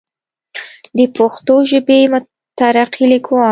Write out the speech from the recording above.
دَ پښتو ژبې مترقي ليکوال